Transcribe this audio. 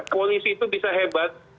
polisi itu bisa hebat